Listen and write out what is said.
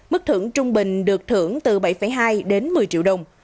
mức thưởng trung bình được thưởng từ bảy hai đến một mươi triệu đồng